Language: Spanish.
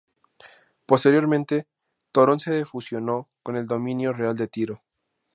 Posteriormente Torón se fusionó con el dominio real de Tiro.